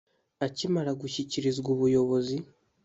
Akimara gushyikirizwa ubuyobozi